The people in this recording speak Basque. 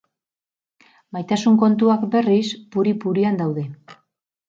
Maitasun kontuak, berriz, puri purian daude.